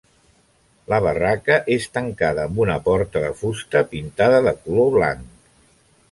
La barraca és tancada amb una porta de fusta pintada de color blanc.